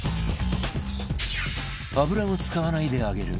油を使わないで揚げる